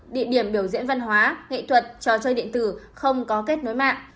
địa điểm biểu diễn văn hóa nghệ thuật trò chơi điện tử không có kết nối mạng